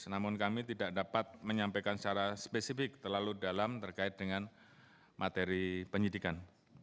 namun kami tidak dapat menyampaikan secara spesifik terlalu dalam terkait dengan materi penyidikan